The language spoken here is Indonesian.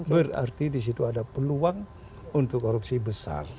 berarti disitu ada peluang untuk korupsi besar